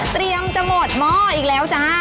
เตรียมจะหมดหม้ออีกแล้วจ้า